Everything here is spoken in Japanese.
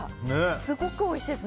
すごくおいしいです。